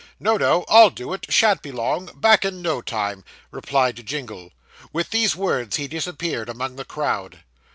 'No, no I'll do it shan't be long back in no time,' replied Jingle. With these words he disappeared among the crowd.